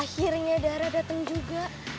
akhirnya dara dateng juga